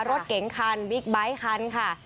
รถเก๋งคันบิ๊กไบท์คันค่ะ